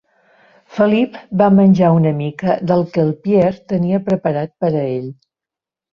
Felip va menjar una mica del què Pierre tenia preparat per a ell.